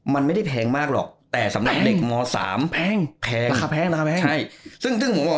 มันไม่ได้แพงมากหรอกแต่สำหรับเด็กม๓แพงราคาแพงราคาแพง